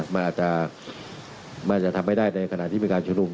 มันอาจจะทำให้ได้ในขณะที่มีการชุมนุม